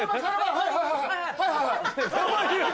はいはい。